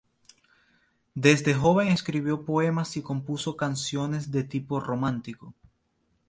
Desde joven escribió poemas y compuso canciones de tipo romántico.